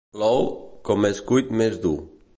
L'ou, com més cuit més dur.